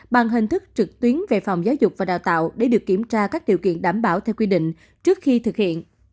bằng hình thức trực tuyến về phòng giáo dục và đào tạo để được kiểm tra các điều kiện đảm bảo theo quy định trước khi thực hiện